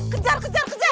kejar kejar kejar